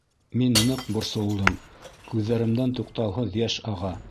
Мин ныҡ борсолдом, күҙҙәремдән туҡтауһыҙ йәш аға.